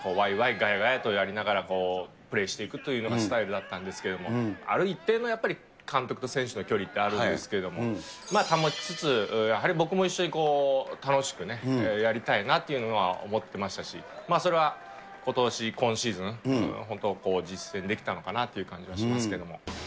がやがやとやりながらプレーしていくというのがスタイルだったんですけれども、ある一定の監督と選手の距離ってあるんですけれども、保ちつつやはり僕も一緒に楽しくやりたいなっていうのは思ってましたし、それはことし、今シーズン、本当、実践できたのかなっていう気はしますけども。